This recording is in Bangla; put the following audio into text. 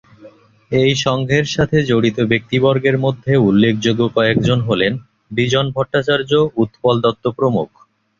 এই সংঘের সাথে জড়িত ব্যক্তিবর্গের মধ্যে উল্লেখযোগ্য কয়েকজন হলেনঃ বিজন ভট্টাচার্য, উৎপল দত্ত প্রমুখ।